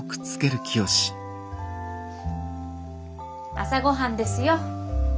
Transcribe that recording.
朝ごはんですよ。